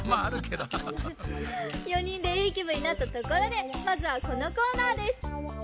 ４にんでいいきぶんになったところでまずはこのコーナーです。